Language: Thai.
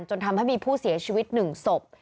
จนทำให้มีผู้เสียชีวิต๑ศพ